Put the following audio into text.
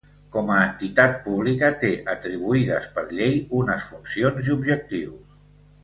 Com a entitat pública, té atribuïdes per llei unes funcions i objectius.